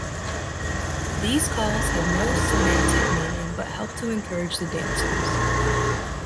These calls have no semantic meaning but help to encourage the dancers.